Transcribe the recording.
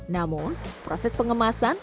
namun proses pengemasan